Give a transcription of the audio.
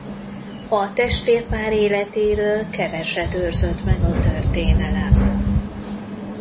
A testvérpár életéről keveset őrzött meg a történelem.